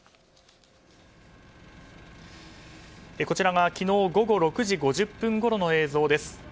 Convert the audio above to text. こちらが昨日午後６時５０分ごろの映像です。